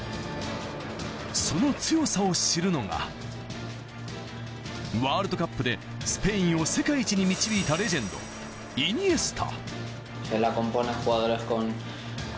その強さを知るのが、ワールドカップでスペインを世界一に導いたレジェンド・イニエスタ。